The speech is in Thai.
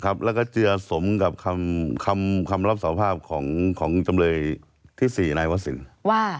ครับแล้วก็เจียสมกับคำรับสอบภาพของจำเลยที่๔นายวศิลป์